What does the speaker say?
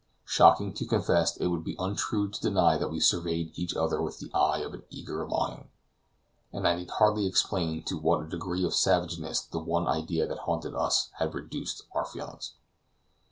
Shocking to confess, it would be untrue to deny that we surveyed each other with the eye of an eager longing; and I need hardly explain to what a degree of savageness the one idea that haunted us had reduced our feelings.